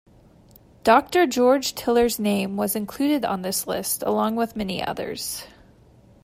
Doctor George Tiller's name was included on this list along with many others.